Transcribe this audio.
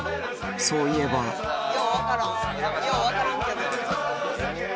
そういえばよう分からんよう分からんけど。